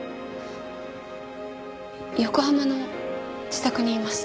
横浜の自宅にいました。